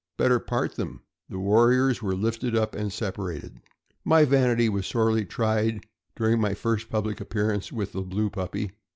Better part them." The warriors were lifted up and separated. My vanity was sorely tried during my first public appearance with the blue puppy.